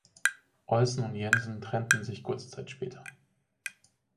Olsen und Jensen trennten sich kurze Zeit später.